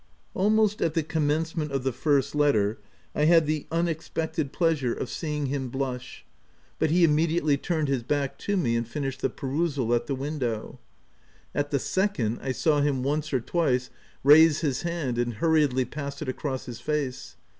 Almost at the commencement of the first letter, I had the unexpected pleasure of seeing 94 THE TEX ANT him blush ; but he immediately turned his back to me and finished the perusal at the window. At the second, I saw him, once or twice, raise his hand and hurriedly pass it across his face.